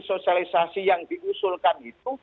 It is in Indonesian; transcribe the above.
sosialisasi yang diusulkan itu